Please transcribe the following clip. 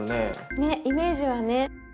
ねイメージはね。